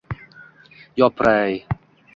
Yo piray!